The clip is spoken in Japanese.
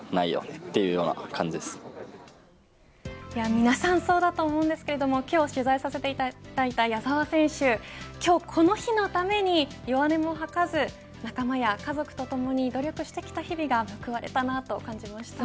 皆さんそうだと思うんですけれども今日取材させていただいた矢澤選手、今日この日のために弱音も吐かず仲間や家族とともに努力してきた日々が救われたなと感じました。